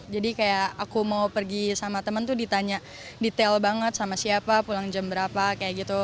jadi kayak aku mau pergi sama temen tuh ditanya detail banget sama siapa pulang jam berapa kayak gitu